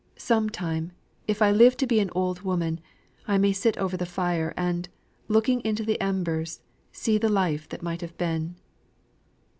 Some time, if I live to be an old woman, I may sit over the fire, and looking into the embers, see the life that might have been."